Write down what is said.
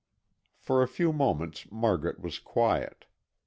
For a few moments Margaret was quiet.